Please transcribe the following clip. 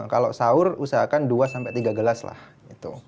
kalau sahur usahakan dua sampai tiga gelas lah gitu